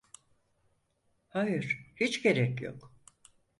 Hayır, hiç gerek yok.